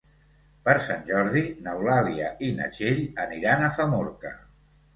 Per Sant Jordi n'Eulàlia i na Txell aniran a Famorca.